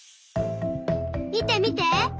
みてみて。